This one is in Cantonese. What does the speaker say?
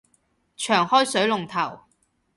長開水龍頭